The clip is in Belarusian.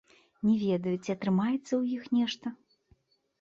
Не ведаю, ці атрымаецца ў іх нешта.